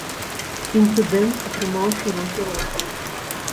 Інцыдэнт атрымаў шырокі розгалас.